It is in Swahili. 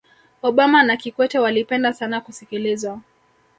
obama na kikwete walipenda sana kusikilizwa